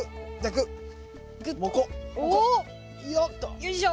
よいしょ。